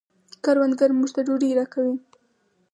کروندګر موږ ته ډوډۍ راکوي